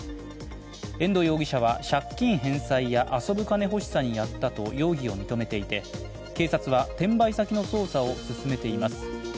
遠藤容疑者は借金返済や遊ぶ金欲しさにやったと容疑を認めていて警察は転売先の捜査を進めています。